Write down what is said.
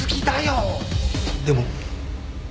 でも。